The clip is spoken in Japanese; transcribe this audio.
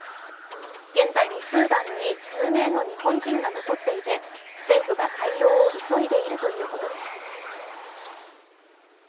現在もスーダンに数名の日本人が残っていて政府が対応を急いでいるということです。